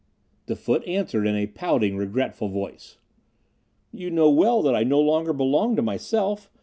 The foot answered in a pouting, regretful voice: "You know well that I no longer belong to myself.